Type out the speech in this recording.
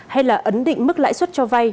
hay là ấn định mức lãi suất cho vay